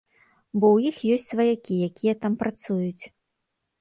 Бо ў іх ёсць сваякі, якія там працуюць.